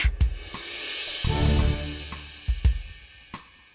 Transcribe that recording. kenzo mau ke rumah sakit